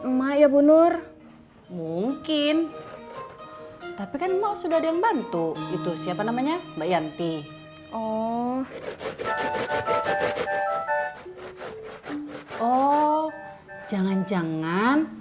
emak ya bu nur mungkin tapi kan mau sudah ada yang bantu itu siapa namanya mbak yanti oh jangan jangan